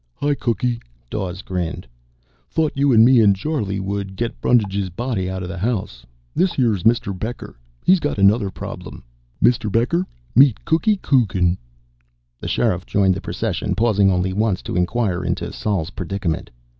"Hi, Cookie," Dawes grinned. "Thought you, me, and Charlie would get Brundage's body outa the house. This here's Mr. Becker; he got another problem. Mr. Becker, meet Cookie Coogan." The Sheriff joined the procession, pausing only once to inquire into Sol's predicament.